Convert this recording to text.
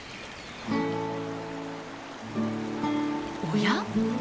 おや？